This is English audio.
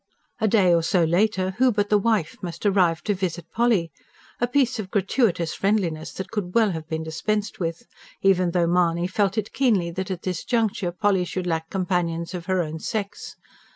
A day or so later who but the wife must arrive to visit Polly! a piece of gratuitous friendliness that could well have been dispensed with; even though Mahony felt it keenly that, at this juncture, Polly should lack companions of her own sex.